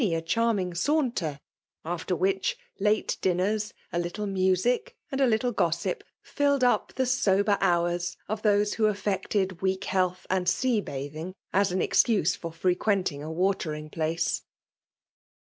a charming saunter; after which, late dinner*^ SL little moaic, and a little gossip, filled up the sober hours of those who afiected weak health and sea bathing as an excuse for frequenting a watering place.